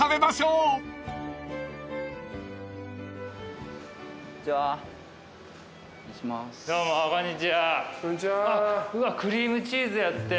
うわっクリームチーズやって。